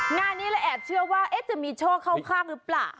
งานนี้เลยแอบเชื่อว่าจะมีโชคเข้าข้างหรือเปล่า